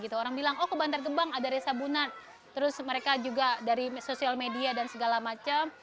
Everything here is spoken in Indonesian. orang bilang oh ke bantar gebang ada resa bunan terus mereka juga dari sosial media dan segala macam